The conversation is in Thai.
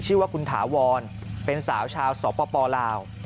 ชื่อว่าคุณถาวรเป็นสาวชาวสปลาว